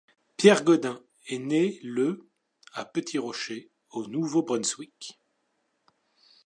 Pierre Godin est né le à Petit-Rocher, au Nouveau-Brunswick.